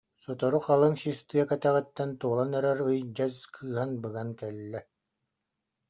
Сотору халыҥ сис тыа кэтэҕиттэн туолан эрэр ый дьэс кыыһан быган кэллэ